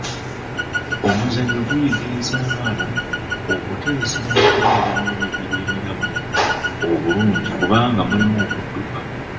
Omuzannyo guyigiriza abaana okuteesa n’okubeera n’emibiri emiramu obulungi kubanga mulimu okudduka.